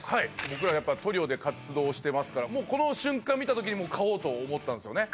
僕らやっぱトリオで活動してますからこの瞬間見た時にもう買おうと思ったんですよね